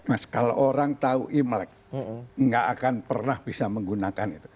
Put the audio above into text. mas kalau orang tahu imlek nggak akan pernah bisa menggunakan itu